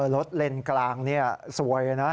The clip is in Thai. รถเลนส์กลางนี่สวยนะ